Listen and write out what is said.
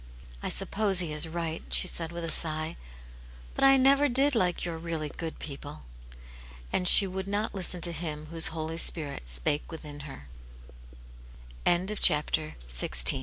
I suppose he is right," she said, with a sigh; "but I never did like your really good people." And she would not listen to Him whose Holy Spirit spake